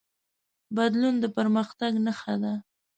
بدلون د پرمختګ نښه ده.